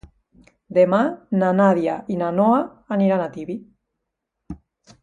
Demà na Nàdia i na Noa aniran a Tibi.